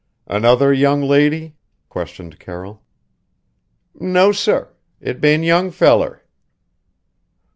"Another young lady?" questioned Carroll. "No, sir. It bane young feller."